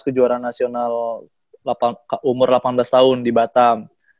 ke juara nasional umur delapan belas tahun di batam